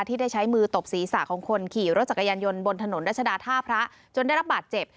ที่ได้ใช้มือตบศีรษะของคนขี่รถจักรยานยนต์บนถนนรัชดาท่าพระจนได้รับบาดเจ็บ